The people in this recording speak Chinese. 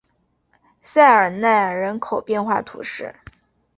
塞尔奈人口变化图示